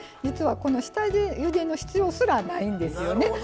実はこの下ゆでの必要すらないんですよね。